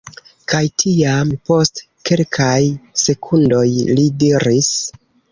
Kaj tiam, post kelkaj sekundoj, li diris: